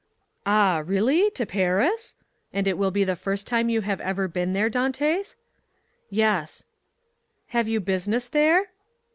"Ah, really?—to Paris! and will it be the first time you have ever been there, Dantès?" "Yes." "Have you business there?"